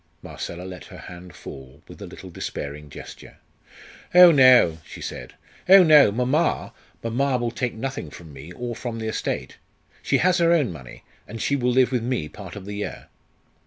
Marcella let her hand fall with a little despairing gesture. "Oh no!" she said "oh no! Mamma mamma will take nothing from me or from the estate. She has her own money, and she will live with me part of the year."